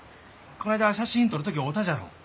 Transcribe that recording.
こないだ写真撮る時会うたじゃろう。